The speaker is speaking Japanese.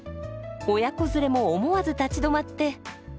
親子連れも思わず立ち止まって。